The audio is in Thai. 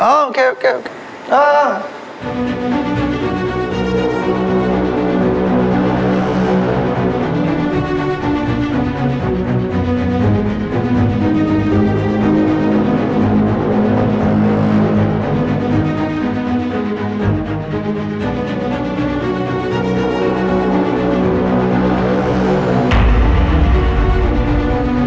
ไม่ต้องกลับมาที่นี่